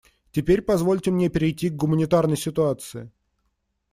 Теперь позвольте мне перейти к гуманитарной ситуации.